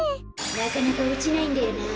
なかなかおちないんだよな。